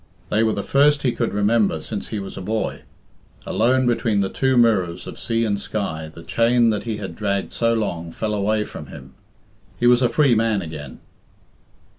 They were the first he could remember since he was a boy. Alone between the two mirrors of sea and sky, the chain that he had dragged so long fell: away from him. He was a free man again.